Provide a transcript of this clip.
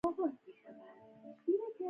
افغانستان د مقاومت تاریخ لري.